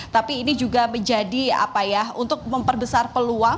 tapi ini juga menjadi untuk memperbesar perusahaan